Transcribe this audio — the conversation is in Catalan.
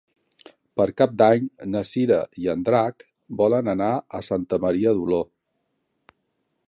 Per Cap d'Any na Cira i en Drac volen anar a Santa Maria d'Oló.